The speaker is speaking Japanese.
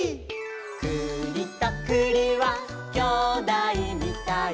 「くりとくりはきょうだいみたい」